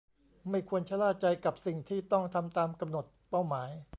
ไม่ควรชะล่าใจกับสิ่งที่ต้องทำตามกำหนดเป้าหมาย